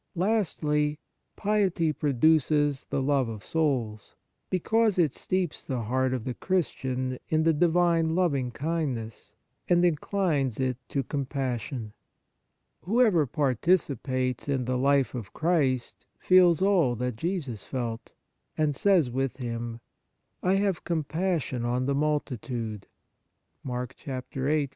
Lastly, piety produces the love of souls, because it steeps the heart of the Christian in the divine loving kindness, and inclines it to compas sion. Whoever participates in the life of Christ feels all that Jesus felt,* and says with Him : "I have com passion on the multitude. ..